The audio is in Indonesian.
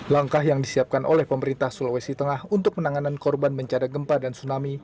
langkah yang disiapkan oleh pemerintah sulawesi tengah untuk penanganan korban bencana gempa dan tsunami